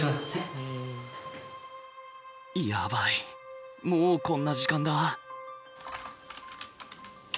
やばいもうこんな時間だ。